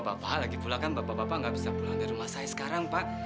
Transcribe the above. bapak paha lagi pula kan bapak bapak nggak bisa pulang dari rumah saya sekarang pak